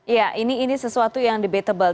ya ini sesuatu yang debatable